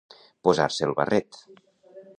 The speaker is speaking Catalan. Posar-se el barret.